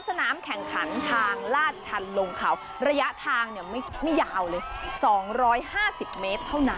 สาดมาจากทางโค้ง